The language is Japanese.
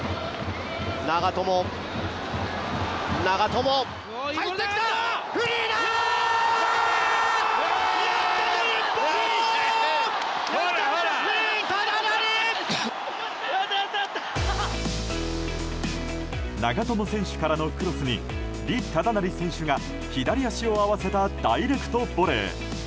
長友選手からのクロスに李忠成選手が左足を合わせたダイレクトボレー。